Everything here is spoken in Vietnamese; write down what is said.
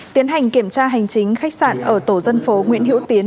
tiến hành kiểm tra hành chính khách sạn ở tổ dân phố nguyễn hiễu tiến